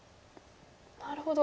なるほど。